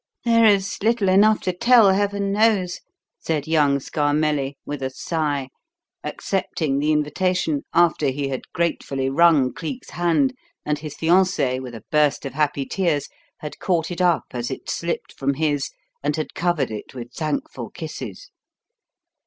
"There is little enough to tell, Heaven knows," said young Scarmelli, with a sigh, accepting the invitation after he had gratefully wrung Cleek's hand, and his fiancée, with a burst of happy tears, had caught it up as it slipped from his and had covered it with thankful kisses.